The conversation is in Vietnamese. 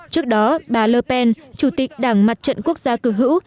trước đó bà le pen chủ tịch đảng mặt trận quốc gia cực hữu